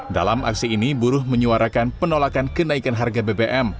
dalam aksi ini buruh menyuarakan penolakan kenaikan harga bbm